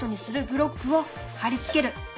ブロックを貼り付ける。